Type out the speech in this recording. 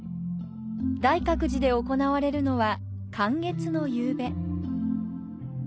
大覚寺で行われるのは、観月の夕べ。